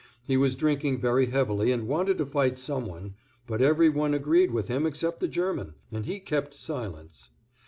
He was drinking very heavily and wanted to fight some one, but every one agreed with him except the German, and he kept silence.